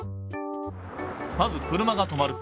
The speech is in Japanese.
まず車が止まる。